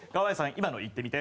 今の言ってみて？